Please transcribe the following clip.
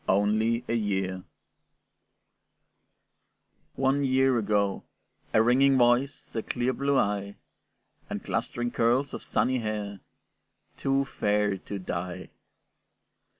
"ONLY A YEAR" One year ago, a ringing voice, A clear blue eye, And clustering curls of sunny hair, Too fair to die.